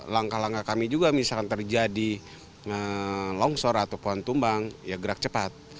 langkah langkah kami juga misalkan terjadi longsor atau pohon tumbang ya gerak cepat